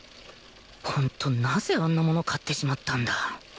ホントなぜあんなもの買ってしまったんだ